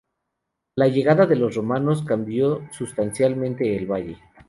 La llegada de los romanos cambió sustancialmente el valle.